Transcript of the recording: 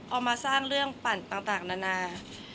เอามาสร้างเรื่องปั่นต่างนานา